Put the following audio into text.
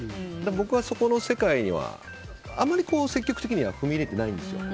僕は、そこの世界にはあまり積極的には踏み入れてはないんですよ。